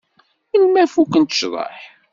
Melmi ad fukkent cḍeḥ?